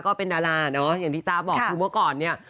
ก็เป็นดาราเนอะอย่างที่จ้าบอกคือเมื่อก่อนเนี่ย